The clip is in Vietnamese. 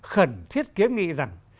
khẩn thiết kiếm nghĩ rằng